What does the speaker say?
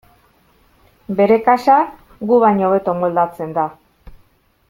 Bere kasa gu baino hobeto moldatzen da.